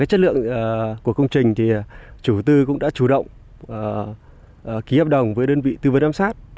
chất lượng của công trình thì chủ tư cũng đã chủ động ký hợp đồng với đơn vị tư vấn giám sát